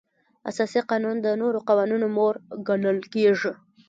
اساسي قانون د نورو قوانینو مور ګڼل کیږي.